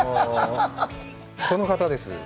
この方です。